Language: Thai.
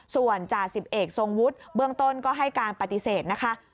ส่วนจ่าสิบเอกทรงวุฒิเบื้องต้นก็ให้การปฏิเสธนะคะ